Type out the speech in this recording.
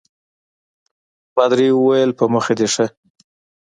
پادري وویل په مخه دي ښه.